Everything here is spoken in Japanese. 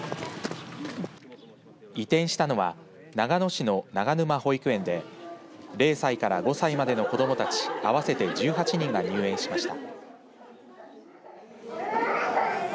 移転したのは長野市の長沼保育園で０歳から５歳までの子どもたち合わせて１８人が入園しました。